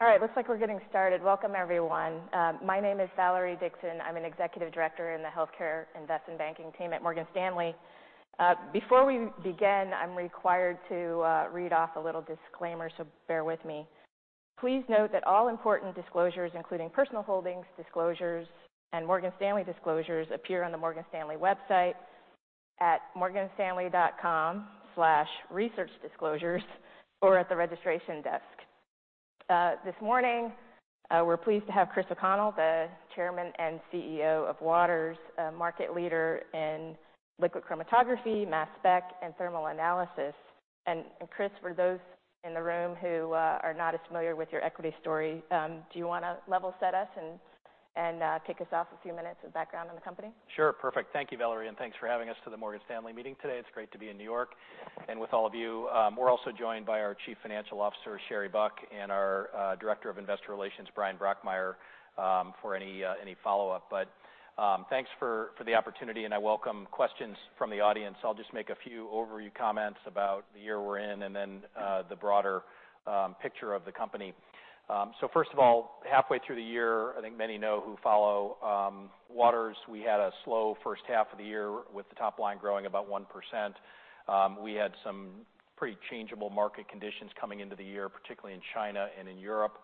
All right, looks like we're getting started. Welcome, everyone. My name is Valerie Dixon. I'm an executive director in the healthcare investment banking team at Morgan Stanley. Before we begin, I'm required to read off a little disclaimer, so bear with me. Please note that all important disclosures, including personal holdings disclosures and Morgan Stanley disclosures, appear on the Morgan Stanley website at morganstanley.com/researchdisclosures or at the registration desk. This morning, we're pleased to have Chris O'Connell, the Chairman and CEO of Waters, market leader in liquid chromatography, mass spec, and thermal analysis. And Chris, for those in the room who are not as familiar with your equity story, do you want to level set us and kick us off a few minutes of background on the company? Sure. Perfect. Thank you, Valerie, and thanks for having us to the Morgan Stanley meeting today. It's great to be in New York and with all of you. We're also joined by our Chief Financial Officer, Sherry Buck, and our Director of Investor Relations, Bryan Brockmeier, for any follow-up. But thanks for the opportunity, and I welcome questions from the audience. I'll just make a few overview comments about the year we're in and then the broader picture of the company. So first of all, halfway through the year, I think many know who follow Waters, we had a slow first half of the year with the top line growing about 1%. We had some pretty changeable market conditions coming into the year, particularly in China and in Europe,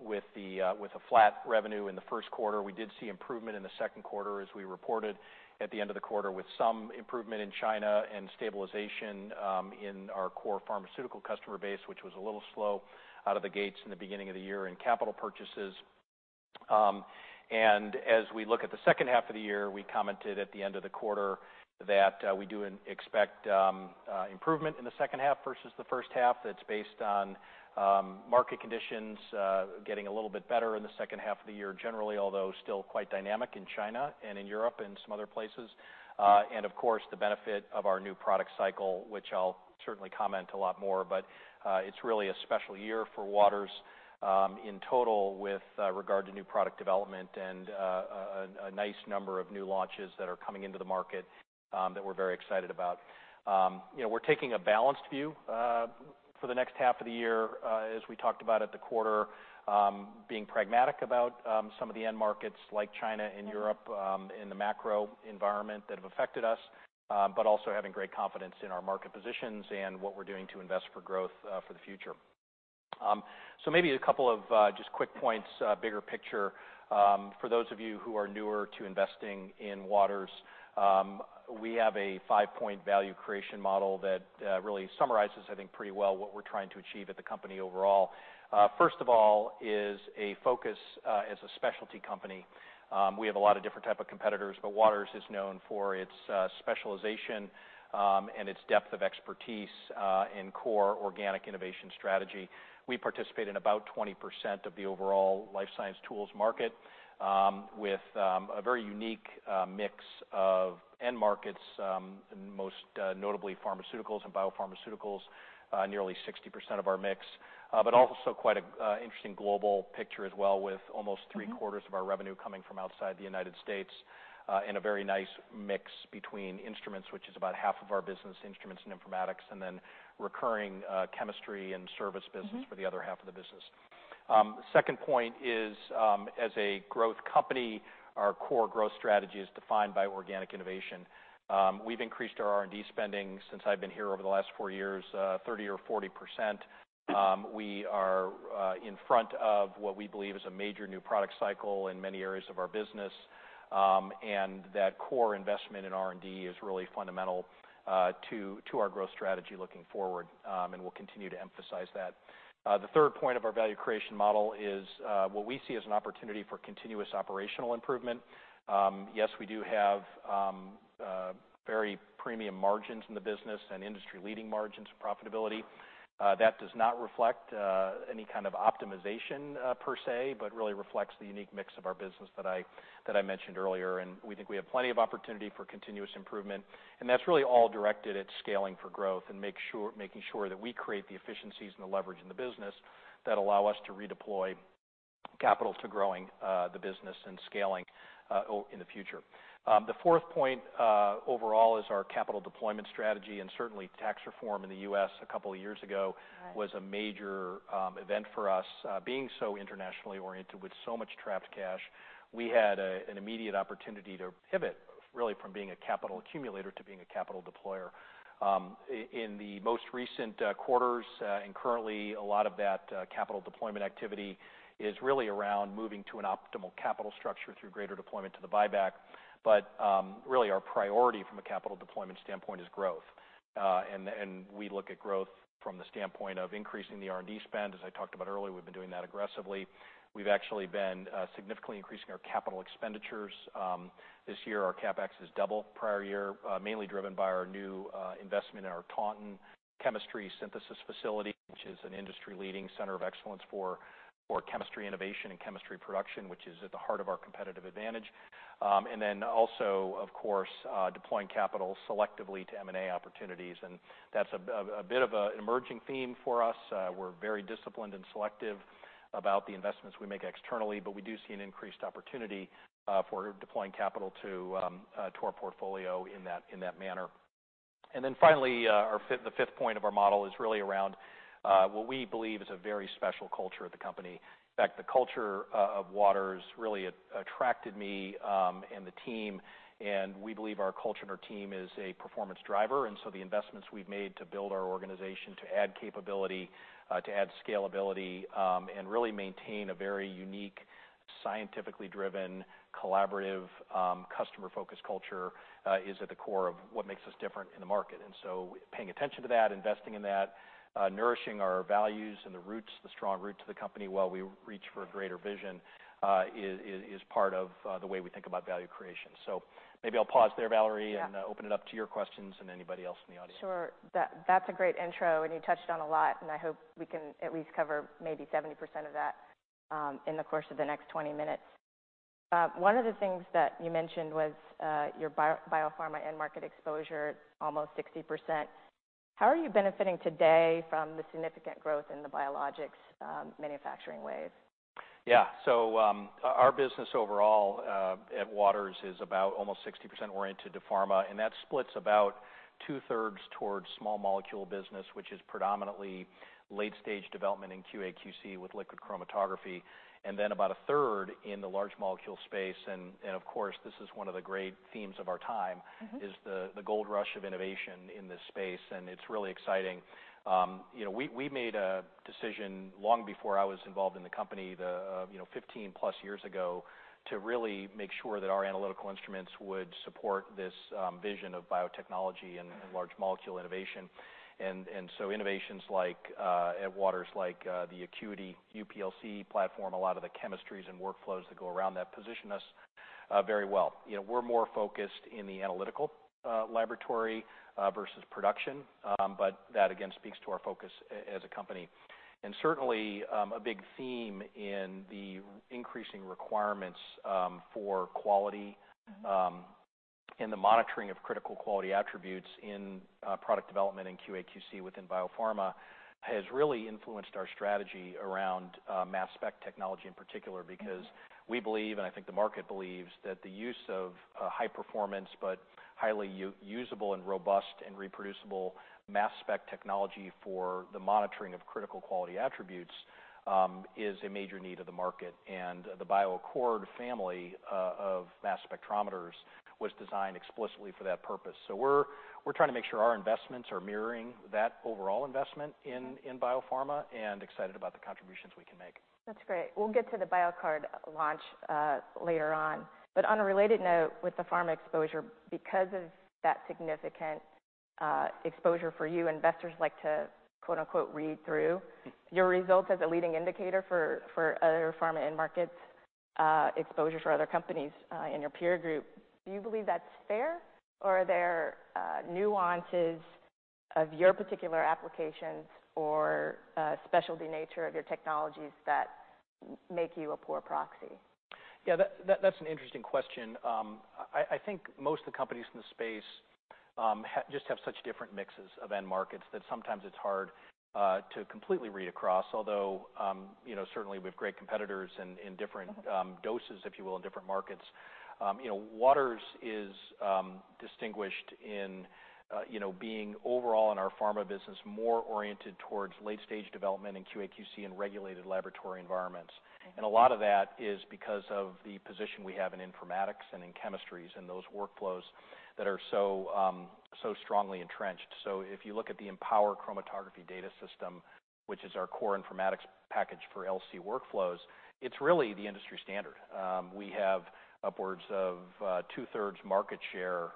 with a flat revenue in the first quarter. We did see improvement in the second quarter, as we reported at the end of the quarter, with some improvement in China and stabilization in our core pharmaceutical customer base, which was a little slow out of the gates in the beginning of the year in capital purchases, and as we look at the second half of the year, we commented at the end of the quarter that we do expect improvement in the second half versus the first half. That's based on market conditions getting a little bit better in the second half of the year generally, although still quite dynamic in China and in Europe and some other places. Of course, the benefit of our new product cycle, which I'll certainly comment a lot more, but it's really a special year for Waters in total with regard to new product development and a nice number of new launches that are coming into the market that we're very excited about. We're taking a balanced view for the next half of the year, as we talked about at the quarter, being pragmatic about some of the end markets like China and Europe in the macro environment that have affected us, but also having great confidence in our market positions and what we're doing to invest for growth for the future. Maybe a couple of just quick points, bigger picture. For those of you who are newer to investing in Waters, we have a five-point value creation model that really summarizes, I think, pretty well what we're trying to achieve at the company overall. First of all is a focus as a specialty company. We have a lot of different types of competitors, but Waters is known for its specialization and its depth of expertise in core organic innovation strategy. We participate in about 20% of the overall life science tools market with a very unique mix of end markets, most notably pharmaceuticals and biopharmaceuticals, nearly 60% of our mix. But also quite an interesting global picture as well, with almost three-quarters of our revenue coming from outside the United States and a very nice mix between instruments, which is about half of our business, instruments and informatics, and then recurring chemistry and service business for the other half of the business. Second point is, as a growth company, our core growth strategy is defined by organic innovation. We've increased our R&D spending since I've been here over the last four years, 30% or 40%. We are in front of what we believe is a major new product cycle in many areas of our business, and that core investment in R&D is really fundamental to our growth strategy looking forward, and we'll continue to emphasize that. The third point of our value creation model is what we see as an opportunity for continuous operational improvement. Yes, we do have very premium margins in the business and industry-leading margins of profitability. That does not reflect any kind of optimization per se, but really reflects the unique mix of our business that I mentioned earlier, and we think we have plenty of opportunity for continuous improvement. And that's really all directed at scaling for growth and making sure that we create the efficiencies and the leverage in the business that allow us to redeploy capital to growing the business and scaling in the future. The fourth point overall is our capital deployment strategy, and certainly tax reform in the U.S. a couple of years ago was a major event for us. Being so internationally oriented with so much trapped cash, we had an immediate opportunity to pivot really from being a capital accumulator to being a capital deployer. In the most recent quarters, and currently, a lot of that capital deployment activity is really around moving to an optimal capital structure through greater deployment to the buyback, but really, our priority from a capital deployment standpoint is growth, and we look at growth from the standpoint of increasing the R&D spend. As I talked about earlier, we've been doing that aggressively. We've actually been significantly increasing our capital expenditures. This year, our CapEx is double prior year, mainly driven by our new investment in our Taunton Chemistry Synthesis Facility, which is an industry-leading center of excellence for chemistry innovation and chemistry production, which is at the heart of our competitive advantage, and then also, of course, deploying capital selectively to M&A opportunities, and that's a bit of an emerging theme for us. We're very disciplined and selective about the investments we make externally, but we do see an increased opportunity for deploying capital to our portfolio in that manner. Then finally, the fifth point of our model is really around what we believe is a very special culture at the company. In fact, the culture of Waters really attracted me and the team, and we believe our culture and our team is a performance driver. So the investments we've made to build our organization, to add capability, to add scalability, and really maintain a very unique, scientifically driven, collaborative, customer-focused culture is at the core of what makes us different in the market. Paying attention to that, investing in that, nourishing our values and the roots, the strong roots of the company while we reach for a greater vision is part of the way we think about value creation. Maybe I'll pause there, Valerie, and open it up to your questions and anybody else in the audience. Sure. That's a great intro, and you touched on a lot, and I hope we can at least cover maybe 70% of that in the course of the next 20 minutes. One of the things that you mentioned was your biopharma end market exposure, almost 60%. How are you benefiting today from the significant growth in the biologics manufacturing wave? Yeah. Our business overall at Waters is about almost 60% oriented to pharma, and that splits about two-thirds towards small molecule business, which is predominantly late-stage development in QA/QC with liquid chromatography, and then about a third in the large molecule space. Of course, this is one of the great themes of our time, the gold rush of innovation in this space, and it's really exciting. We made a decision long before I was involved in the company, 15-plus years ago, to really make sure that our analytical instruments would support this vision of biotechnology and large molecule innovation. Innovations at Waters, like the ACQUITY UPLC platform, a lot of the chemistries and workflows that go around that position us very well. We're more focused in the analytical laboratory versus production, but that again speaks to our focus as a company. And certainly, a big theme in the increasing requirements for quality and the monitoring of critical quality attributes in product development and QA/QC within biopharma has really influenced our strategy around mass spec technology in particular, because we believe, and I think the market believes, that the use of high-performance but highly usable and robust and reproducible mass spec technology for the monitoring of critical quality attributes is a major need of the market. And the BioAccord family of mass spectrometers was designed explicitly for that purpose. So we're trying to make sure our investments are mirroring that overall investment in biopharma and excited about the contributions we can make. That's great. We'll get to the BioAccord launch later on. But on a related note with the pharma exposure, because of that significant exposure for you, investors like to "read through" your results as a leading indicator for other pharma end markets, exposure for other companies in your peer group. Do you believe that's fair, or are there nuances of your particular applications or specialty nature of your technologies that make you a poor proxy? Yeah, that's an interesting question. I think most of the companies in the space just have such different mixes of end markets that sometimes it's hard to completely read across, although certainly we have great competitors in different doses, if you will, in different markets. Waters is distinguished in being overall in our pharma business more oriented towards late-stage development and QA/QC and regulated laboratory environments, and a lot of that is because of the position we have in informatics and in chemistries and those workflows that are so strongly entrenched, so if you look at the Empower Chromatography Data System, which is our core informatics package for LC workflows, it's really the industry standard. We have upwards of two-thirds market share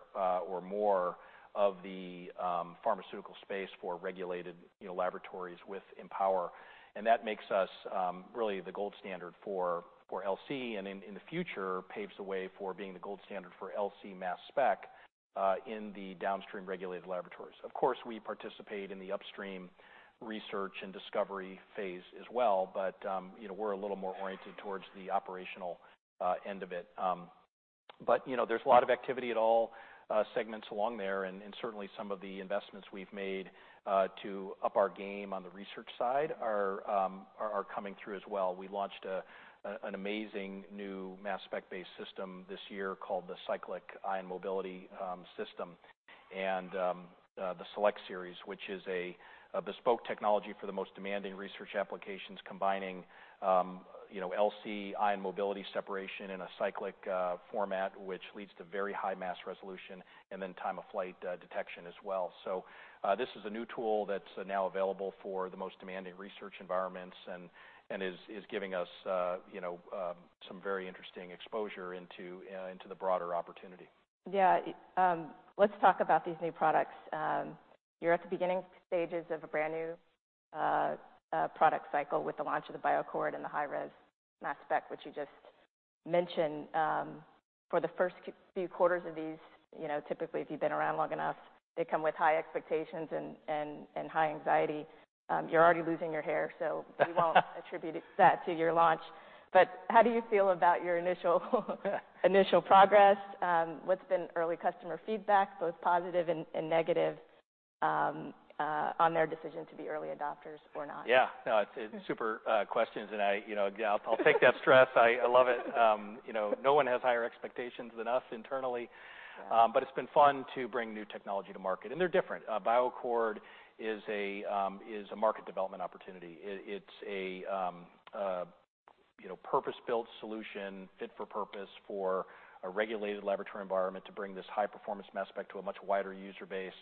or more of the pharmaceutical space for regulated laboratories with Empower. That makes us really the gold standard for LC and in the future paves the way for being the gold standard for LC mass spec in the downstream regulated laboratories. Of course, we participate in the upstream research and discovery phase as well, but we're a little more oriented towards the operational end of it. There's a lot of activity at all segments along there, and certainly some of the investments we've made to up our game on the research side are coming through as well. We launched an amazing new mass spec-based system this year called the SELECT SERIES Cyclic IMS, which is a bespoke technology for the most demanding research applications, combining LC ion mobility separation in a cyclic format, which leads to very high mass resolution and then time-of-flight detection as well. So this is a new tool that's now available for the most demanding research environments and is giving us some very interesting exposure into the broader opportunity. Yeah. Let's talk about these new products. You're at the beginning stages of a brand new product cycle with the launch of the BioAccord and the high-res mass spec, which you just mentioned. For the first few quarters of these, typically if you've been around long enough, they come with high expectations and high anxiety. You're already losing your hair, so we won't attribute that to your launch. But how do you feel about your initial progress? What's been early customer feedback, both positive and negative, on their decision to be early adopters or not? Yeah. No, it's super questions, and I'll take that stress. I love it. No one has higher expectations than us internally, but it's been fun to bring new technology to market, and they're different. BioAccord is a market development opportunity. It's a purpose-built solution, fit for purpose for a regulated laboratory environment to bring this high-performance mass spec to a much wider user base.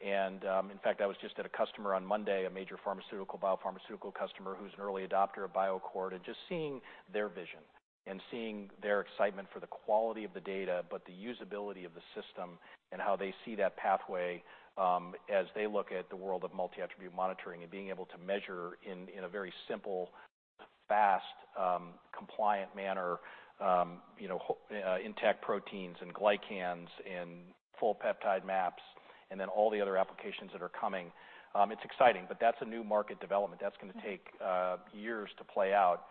And in fact, I was just at a customer on Monday, a major biopharmaceutical customer who's an early adopter of BioAccord, and just seeing their vision and seeing their excitement for the quality of the data, but the usability of the system and how they see that pathway as they look at the world of multi-attribute monitoring and being able to measure in a very simple, fast, compliant manner intact proteins and glycans and full peptide maps and then all the other applications that are coming. It's exciting, but that's a new market development. That's going to take years to play out.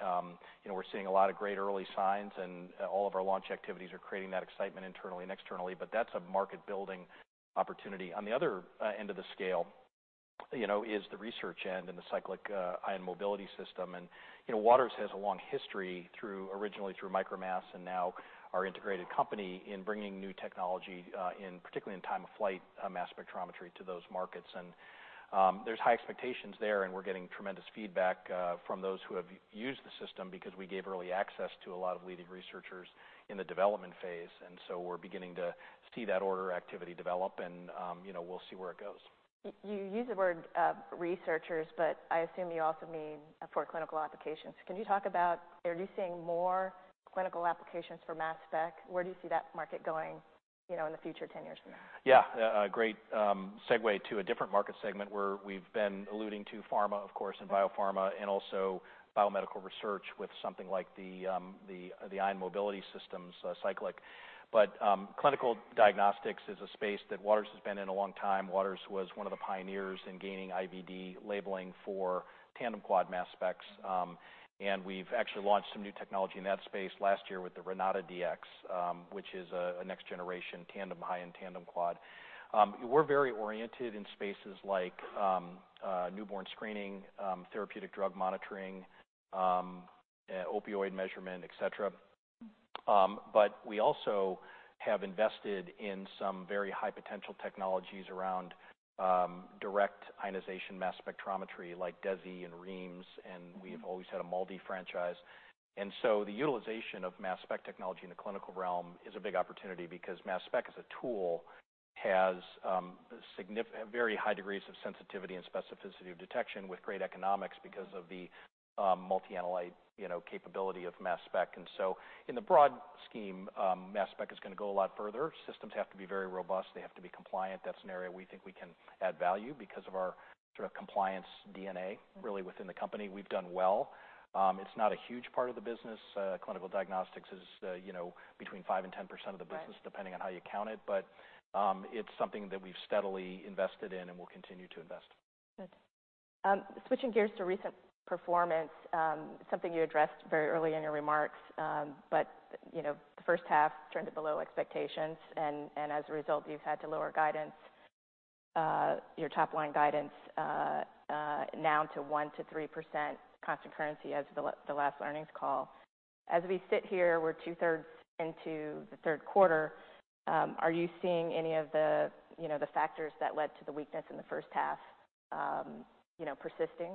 We're seeing a lot of great early signs, and all of our launch activities are creating that excitement internally and externally, but that's a market-building opportunity. On the other end of the scale is the research end and the Cyclic Ion Mobility System. And Waters has a long history originally through Micromass and now our integrated company in bringing new technology, particularly in time-of-flight mass spectrometry to those markets. And there's high expectations there, and we're getting tremendous feedback from those who have used the system because we gave early access to a lot of leading researchers in the development phase. And so we're beginning to see that order activity develop, and we'll see where it goes. You use the word researchers, but I assume you also mean for clinical applications. Can you talk about, are you seeing more clinical applications for mass spec? Where do you see that market going in the future 10 years from now? Yeah. Great segue to a different market segment where we've been alluding to pharma, of course, and biopharma and also biomedical research with something like the ion mobility systems, Cyclic. But clinical diagnostics is a space that Waters has been in a long time. Waters was one of the pioneers in gaining IVD labeling for tandem quad mass specs, and we've actually launched some new technology in that space last year with the RenataDX, which is a next-generation tandem high-end tandem quad. We're very oriented in spaces like newborn screening, therapeutic drug monitoring, opioid measurement, etc. But we also have invested in some very high-potential technologies around direct ionization mass spectrometry like DESI and REIMS, and we have always had a MALDI franchise. The utilization of mass spec technology in the clinical realm is a big opportunity because mass spec as a tool has very high degrees of sensitivity and specificity of detection with great economics because of the multi-analyte capability of mass spec. In the broad scheme, mass spec is going to go a lot further. Systems have to be very robust. They have to be compliant. That's an area we think we can add value because of our sort of compliance DNA really within the company. We've done well. It's not a huge part of the business. Clinical diagnostics is between 5%-10% of the business, depending on how you count it, but it's something that we've steadily invested in and will continue to invest. Good. Switching gears to recent performance, something you addressed very early in your remarks, but the first half turned it below expectations, and as a result, you've had to lower guidance, your top-line guidance, now to 1%-3% constant currency as the last earnings call. As we sit here, we're two-thirds into the third quarter. Are you seeing any of the factors that led to the weakness in the first half persisting?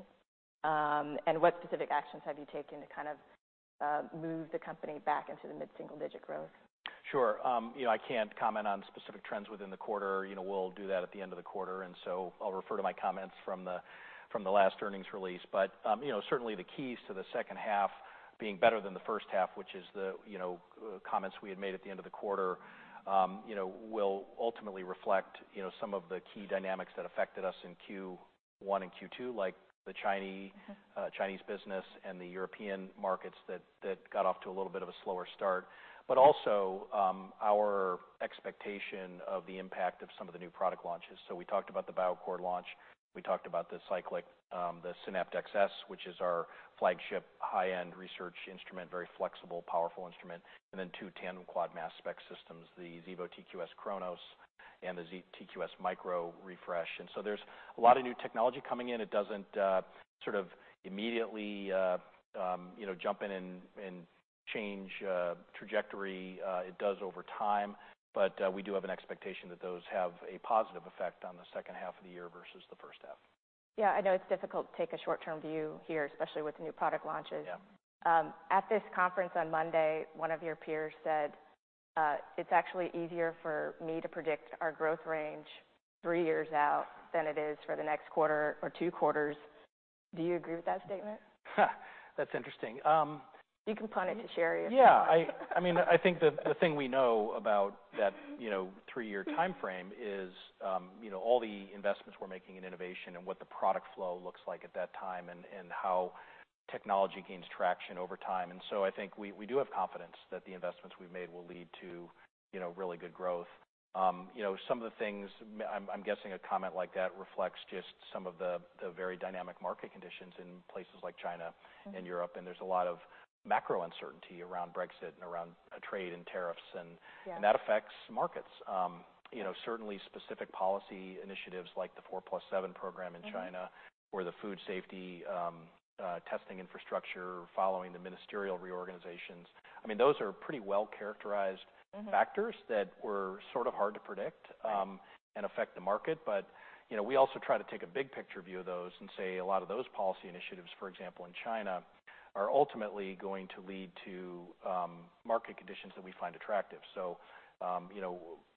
And what specific actions have you taken to kind of move the company back into the mid-single-digit growth? Sure. I can't comment on specific trends within the quarter. We'll do that at the end of the quarter, and so I'll refer to my comments from the last earnings release. But certainly, the keys to the second half being better than the first half, which is the comments we had made at the end of the quarter, will ultimately reflect some of the key dynamics that affected us in Q1 and Q2, like the Chinese business and the European markets that got off to a little bit of a slower start, but also our expectation of the impact of some of the new product launches. So we talked about the BioAccord launch. We talked about the Cyclic, the SYNAPT XS, which is our flagship high-end research instrument, very flexible, powerful instrument, and then two tandem quad mass spec systems, the Xevo TQ-S cronos and the TQ-S micro refresh. And so there's a lot of new technology coming in. It doesn't sort of immediately jump in and change trajectory. It does over time, but we do have an expectation that those have a positive effect on the second half of the year versus the first half. Yeah. I know it's difficult to take a short-term view here, especially with the new product launches. At this conference on Monday, one of your peers said, "It's actually easier for me to predict our growth range three years out than it is for the next quarter or two quarters." Do you agree with that statement? That's interesting. You can point it to share your. Yeah. I mean, I think the thing we know about that three-year timeframe is all the investments we're making in innovation and what the product flow looks like at that time and how technology gains traction over time. I think we do have confidence that the investments we've made will lead to really good growth. Some of the things I'm guessing a comment like that reflects just some of the very dynamic market conditions in places like China and Europe, and there's a lot of macro uncertainty around Brexit and around trade and tariffs, and that affects markets. Certainly, specific policy initiatives like the 4+7 program in China or the food safety testing infrastructure following the ministerial reorganizations, I mean, those are pretty well-characterized factors that were sort of hard to predict and affect the market. But we also try to take a big-picture view of those and say a lot of those policy initiatives, for example, in China are ultimately going to lead to market conditions that we find attractive. So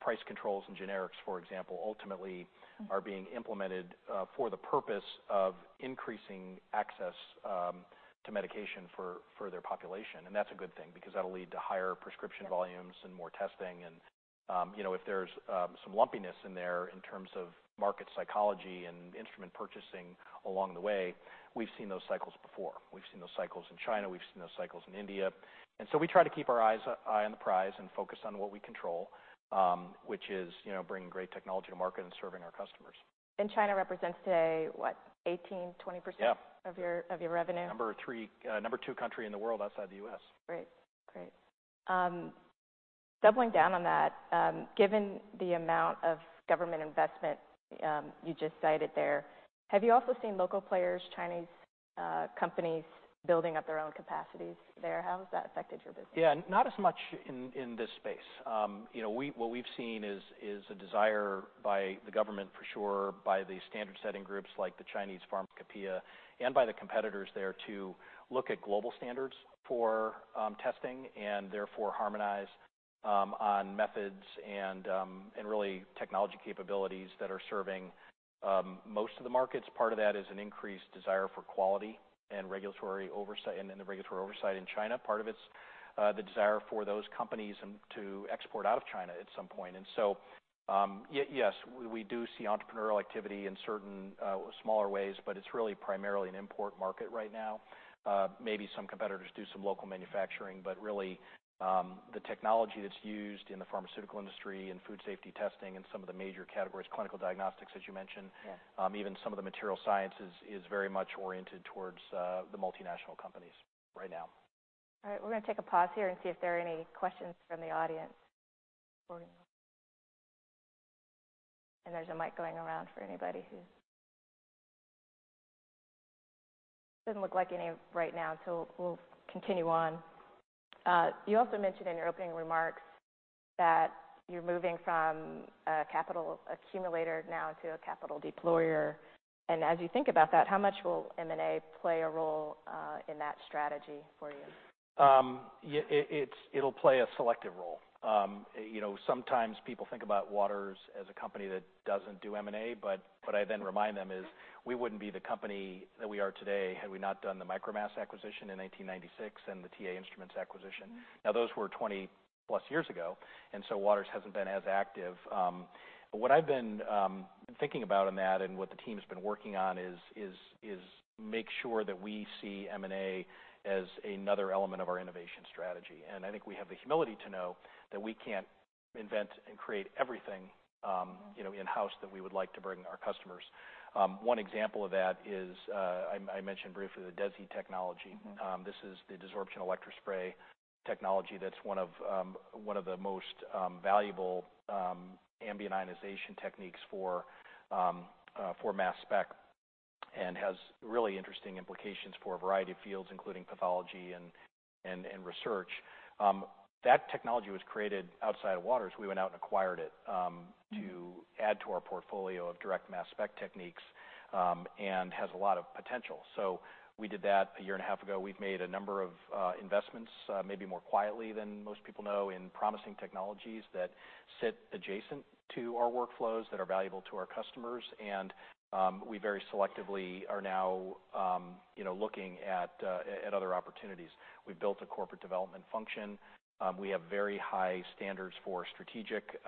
price controls and generics, for example, ultimately are being implemented for the purpose of increasing access to medication for their population. And that's a good thing because that'll lead to higher prescription volumes and more testing. And if there's some lumpiness in there in terms of market psychology and instrument purchasing along the way, we've seen those cycles before. We've seen those cycles in China. We've seen those cycles in India. And so we try to keep our eye on the prize and focus on what we control, which is bringing great technology to market and serving our customers. China represents today, what, 18%-20% of your revenue? Yeah. Number two country in the world outside the U.S. Great. Great. Doubling down on that, given the amount of government investment you just cited there, have you also seen local players, Chinese companies building up their own capacities there? How has that affected your business? Yeah. Not as much in this space. What we've seen is a desire by the government, for sure, by the standard-setting groups like the Chinese Pharmacopoeia and by the competitors there to look at global standards for testing and therefore harmonize on methods and really technology capabilities that are serving most of the markets. Part of that is an increased desire for quality and regulatory oversight in China. Part of it's the desire for those companies to export out of China at some point. And so yes, we do see entrepreneurial activity in certain smaller ways, but it's really primarily an import market right now. Maybe some competitors do some local manufacturing, but really the technology that's used in the pharmaceutical industry and food safety testing and some of the major categories, clinical diagnostics, as you mentioned, even some of the material sciences is very much oriented towards the multinational companies right now. All right. We're going to take a pause here and see if there are any questions from the audience. And there's a mic going around for anybody. Doesn't look like any right now, so we'll continue on. You also mentioned in your opening remarks that you're moving from a capital accumulator now to a capital deployer. And as you think about that, how much will M&A play a role in that strategy for you? It'll play a selective role. Sometimes people think about Waters as a company that doesn't do M&A, but I then remind them we wouldn't be the company that we are today had we not done the Micromass acquisition in 1996 and the TA Instruments acquisition. Now, those were 20-plus years ago, and so Waters hasn't been as active. But what I've been thinking about in that and what the team has been working on is make sure that we see M&A as another element of our innovation strategy. And I think we have the humility to know that we can't invent and create everything in-house that we would like to bring our customers. One example of that is I mentioned briefly the DESI technology. This is the Desorption Electrospray technology that's one of the most valuable ambient ionization techniques for mass spec and has really interesting implications for a variety of fields, including pathology and research. That technology was created outside of Waters. We went out and acquired it to add to our portfolio of direct mass spec techniques and has a lot of potential. So we did that a year and a half ago. We've made a number of investments, maybe more quietly than most people know, in promising technologies that sit adjacent to our workflows that are valuable to our customers, and we very selectively are now looking at other opportunities. We've built a corporate development function. We have very high standards for strategic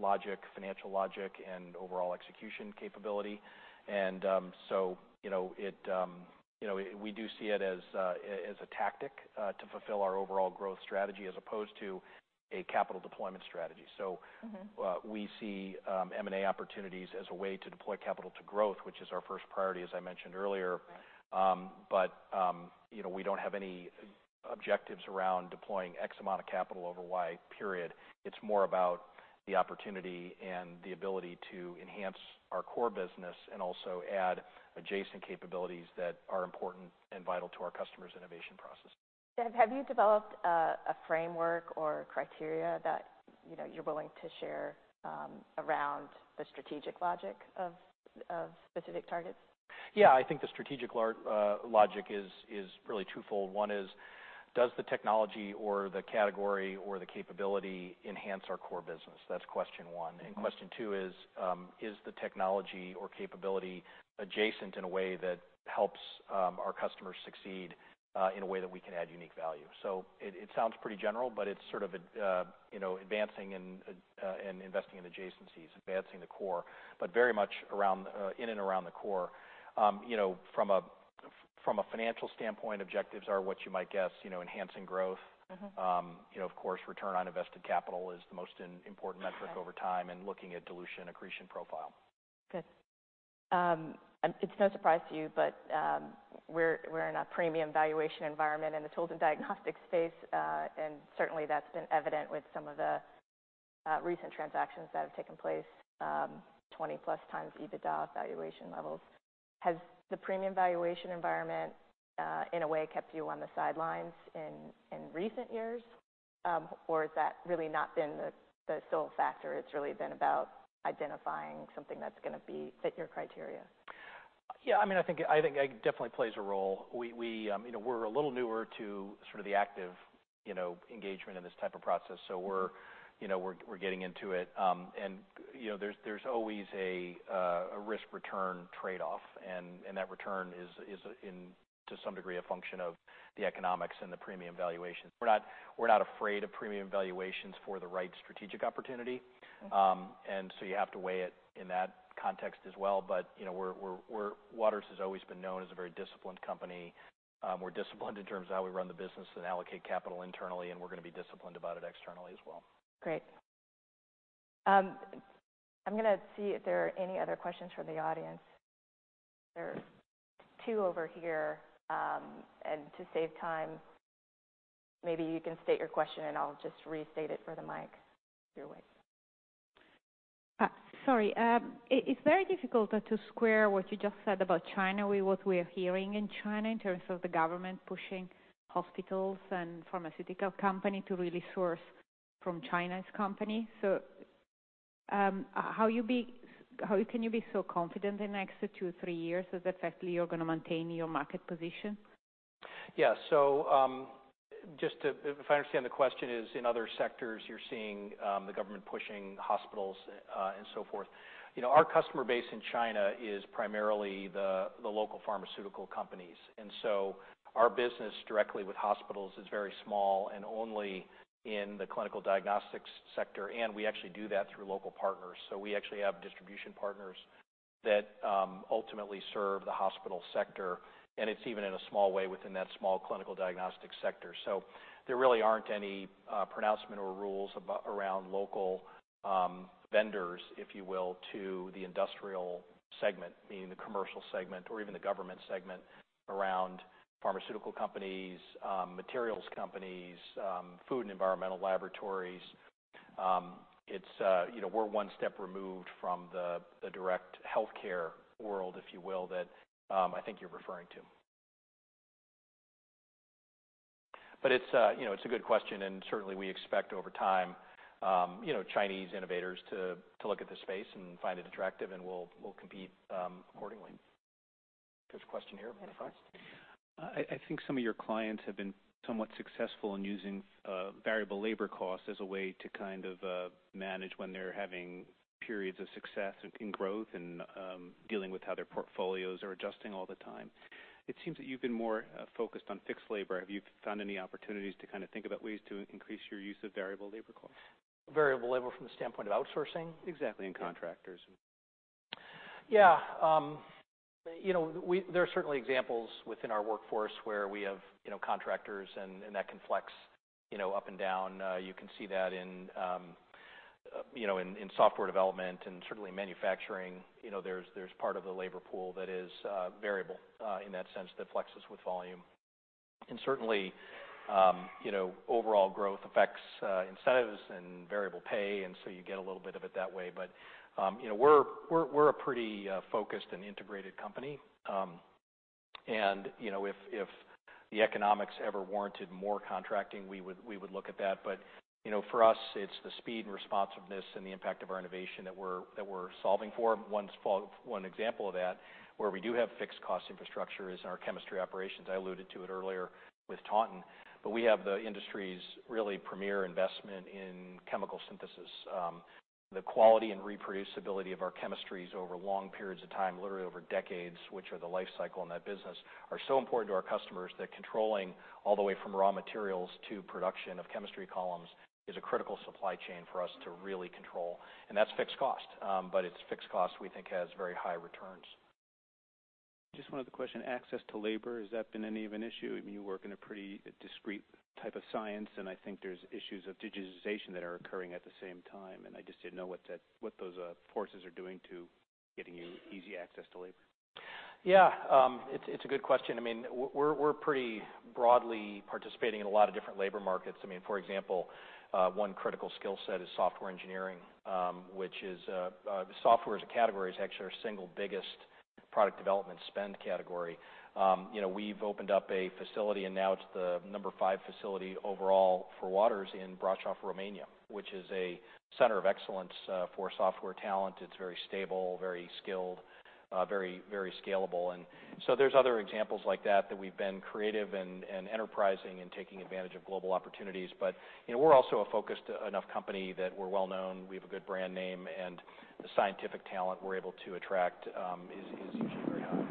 logic, financial logic, and overall execution capability. And so we do see it as a tactic to fulfill our overall growth strategy as opposed to a capital deployment strategy. So we see M&A opportunities as a way to deploy capital to growth, which is our first priority, as I mentioned earlier. But we don't have any objectives around deploying X amount of capital over Y, period. It's more about the opportunity and the ability to enhance our core business and also add adjacent capabilities that are important and vital to our customers' innovation process. Have you developed a framework or criteria that you're willing to share around the strategic logic of specific targets? Yeah. I think the strategic logic is really two fold. One is, does the technology or the category or the capability enhance our core business? That's question one. And question two is, is the technology or capability adjacent in a way that helps our customers succeed in a way that we can add unique value? So it sounds pretty general, but it's sort of advancing and investing in adjacencies, advancing the core, but very much in and around the core. From a financial standpoint, objectives are what you might guess: enhancing growth. Of course, return on invested capital is the most important metric over time and looking at dilution accretion profile. Good. It's no surprise to you, but we're in a premium valuation environment in the tools and diagnostics space, and certainly that's been evident with some of the recent transactions that have taken place 20-plus times EBITDA valuation levels. Has the premium valuation environment, in a way, kept you on the sidelines in recent years, or has that really not been the sole factor? It's really been about identifying something that's going to fit your criteria? Yeah. I mean, I think it definitely plays a role. We're a little newer to sort of the active engagement in this type of process, so we're getting into it. And there's always a risk-return trade-off, and that return is, to some degree, a function of the economics and the premium valuations. We're not afraid of premium valuations for the right strategic opportunity, and so you have to weigh it in that context as well. But Waters has always been known as a very disciplined company. We're disciplined in terms of how we run the business and allocate capital internally, and we're going to be disciplined about it externally as well. Great. I'm going to see if there are any other questions from the audience. There are two over here. And to save time, maybe you can state your question, and I'll just restate it for the mic. You're awake. Sorry. It's very difficult to square what you just said about China with what we are hearing in China in terms of the government pushing hospitals and pharmaceutical companies to really source from China's companies. So how can you be so confident in the next two, three years that effectively you're going to maintain your market position? Yeah, so if I understand the question, in other sectors, you're seeing the government pushing hospitals and so forth. Our customer base in China is primarily the local pharmaceutical companies, and so our business directly with hospitals is very small and only in the clinical diagnostics sector, and we actually do that through local partners, so we actually have distribution partners that ultimately serve the hospital sector, and it's even in a small way within that small clinical diagnostics sector, so there really aren't any pronouncements or rules around local vendors, if you will, to the industrial segment, meaning the commercial segment or even the government segment around pharmaceutical companies, materials companies, food and environmental laboratories. We're one step removed from the direct healthcare world, if you will, that I think you're referring to. But it's a good question, and certainly we expect over time Chinese innovators to look at the space and find it attractive, and we'll compete accordingly. There's a question here? Yes. I think some of your clients have been somewhat successful in using variable labor costs as a way to kind of manage when they're having periods of success in growth and dealing with how their portfolios are adjusting all the time. It seems that you've been more focused on fixed labor. Have you found any opportunities to kind of think about ways to increase your use of variable labor costs? Variable labor from the standpoint of outsourcing? Exactly. And contractors. Yeah. There are certainly examples within our workforce where we have contractors, and that can flex up and down. You can see that in software development and certainly manufacturing. There's part of the labor pool that is variable in that sense that flexes with volume. And certainly, overall growth affects incentives and variable pay, and so you get a little bit of it that way. But we're a pretty focused and integrated company. And if the economics ever warranted more contracting, we would look at that. But for us, it's the speed and responsiveness and the impact of our innovation that we're solving for. One example of that where we do have fixed-cost infrastructure is in our chemistry operations. I alluded to it earlier with Taunton, but we have the industry's really premier investment in chemical synthesis. The quality and reproducibility of our chemistries over long periods of time, literally over decades, which are the lifecycle in that business, are so important to our customers that controlling all the way from raw materials to production of chemistry columns is a critical supply chain for us to really control. And that's fixed cost, but it's fixed cost we think has very high returns. Just one other question. Access to labor, has that been any of an issue? I mean, you work in a pretty discrete type of science, and I think there's issues of digitization that are occurring at the same time. I just didn't know what those forces are doing to getting you easy access to labor. Yeah. It's a good question. I mean, we're pretty broadly participating in a lot of different labor markets. I mean, for example, one critical skill set is software engineering, which is software as a category is actually our single biggest product development spend category. We've opened up a facility, and now it's the number five facility overall for Waters in Brașov, Romania, which is a center of excellence for software talent. It's very stable, very skilled, very scalable. There's other examples like that that we've been creative and enterprising in taking advantage of global opportunities. But we're also a focused enough company that we're well-known. We have a good brand name, and the scientific talent we're able to attract is usually very high.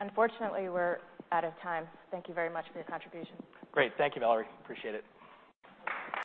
Unfortunately, we're out of time. Thank you very much for your contribution. Great. Thank you, Valerie. Appreciate it.